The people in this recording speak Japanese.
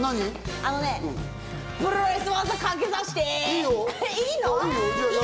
あのね、プロレス技かけさせて！